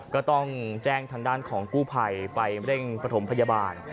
ก็ต้องแจ้งทางด้านของกู้ภัยไปเร่งประถมพยาบาล